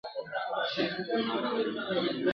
چا وویل چي دا د چوپان لور ده.